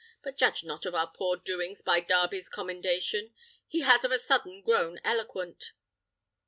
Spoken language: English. But judge not of our poor doings by Darby's commendation: he has of a sudden grown eloquent."